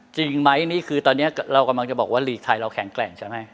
จริงไหมนี่คือตอนนี้เรากำลังจะบอกว่าลีกไทยเราแข็งแกร่งใช่ไหม